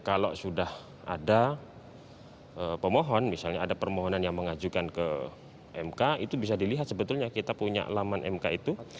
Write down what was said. kalau sudah ada pemohon misalnya ada permohonan yang mengajukan ke mk itu bisa dilihat sebetulnya kita punya laman mk itu